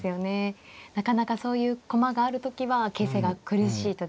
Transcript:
なかなかそういう駒がある時は形勢が苦しい時。